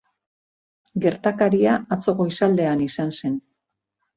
Gertakaria atzo goizaldean izan zen.